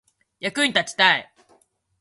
役に立ちたい